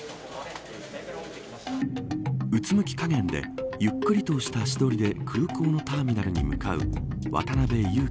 うつむき加減でゆっくりとした足取りで空港のターミナルに向かう渡辺優樹